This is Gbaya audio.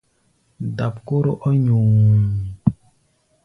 Dap kóró ɔ́ ŋuyuŋ.